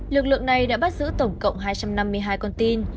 lực lượng này đã bắt giữ tổng cộng hai trăm năm mươi hai con tin